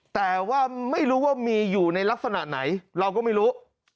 แต่ว่าไม่รู้ว่ามีอยู่ในลักษณะไหนเราก็ไม่รู้